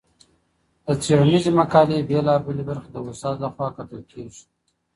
د څېړنیزې مقالي بېلابېلې برخې د استاد لخوا کتل کېږي.